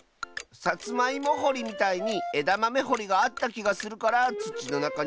さつまいもほりみたいにえだまめほりがあったきがするからつちのなかになるとおもう！